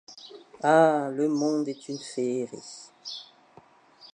Ah! le monde est une féerie.